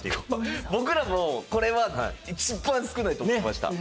僕らもこれは一番少ないと思ってました。